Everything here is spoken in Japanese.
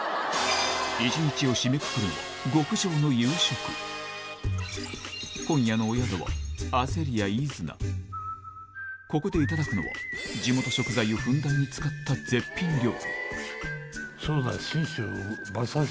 １日を締めくくるのは極上の今夜のお宿はここでいただくのは地元食材をふんだんに使ったそうだよ。